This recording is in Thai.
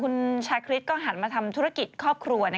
คุณชาคริสก็หันมาทำธุรกิจครอบครัว